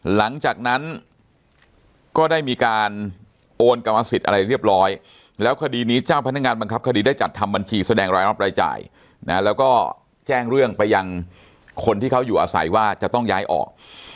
หลังจากนั้นก็ได้มีการโอนกรรมสิทธิ์อะไรเรียบร้อยแล้วคดีนี้เจ้าพนักงานบังคับคดีได้จัดทำบัญชีแสดงรายรับรายจ่ายนะแล้วก็แจ้งเรื่องไปยังคนที่เขาอยู่อาศัยว่าจะต้องย้ายออก